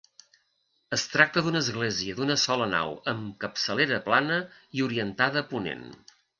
Es tracta d'una església d'una sola nau amb capçalera plana i orientada a ponent.